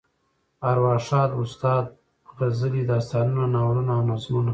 ارواښاد استاد غزلې، داستانونه، ناولونه او نظمونه.